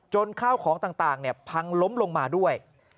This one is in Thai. ข้าวของต่างพังล้มลงมาด้วย